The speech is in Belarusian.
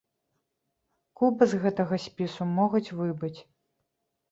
Куба з гэтага спісу могуць выбыць.